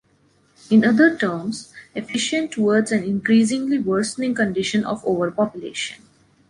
In other terms, efficient towards an increasingly worsening condition of overpopulation.